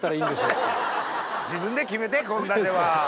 自分で決めて献立は。